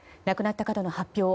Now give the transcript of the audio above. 亡くなった方の発表